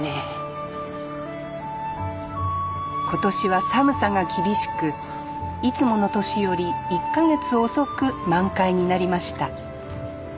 今年は寒さが厳しくいつもの年より１か月遅く満開になりました